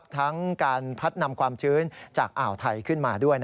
ทั้งการพัดนำความชื้นจากอ่าวไทยขึ้นมาด้วย